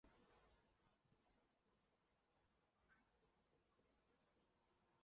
裂叶翼首花为川续断科翼首花属下的一个种。